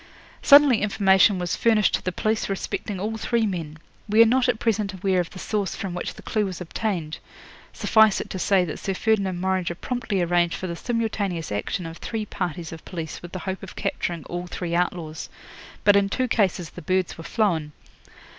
'Suddenly information was furnished to the police respecting all three men. We are not at present aware of the source from which the clue was obtained. Suffice it to say that Sir Ferdinand Morringer promptly arranged for the simultaneous action of three parties of police with the hope of capturing all three outlaws. But in two cases the birds were flown.